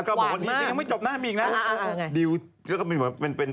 เขามันยังไม่จบหน้ามียิงนะ